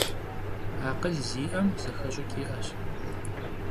Акъыл зиӀэм, зэхэщӀыкӀ иӀэщ.